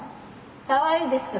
かわいいでしょ。